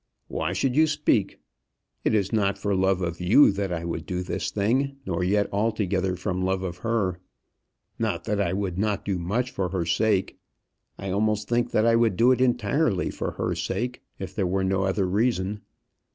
Why should you speak? It is not for love of you that I would do this thing; nor yet altogether from love of her. Not that I would not do much for her sake. I almost think that I would do it entirely for her sake, if there were no other reason.